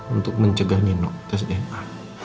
untuk mencegah nino tes dna